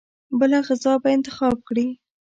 بله غذا به انتخاب کړي.